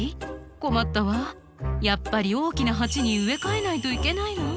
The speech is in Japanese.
困ったわやっぱり大きな鉢に植え替えないといけないの？